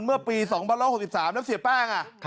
เมื่อปี๒๑๖๓แล้วเสียแป้ง